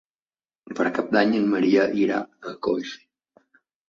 Per Cap d'Any en Maria irà a Coix.